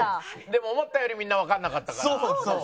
でも思ったよりみんなわかんなかったから。